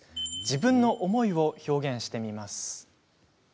自分の思いを表現してみます。